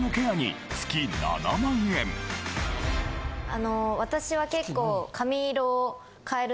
あの私は結構。